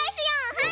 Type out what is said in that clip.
はい。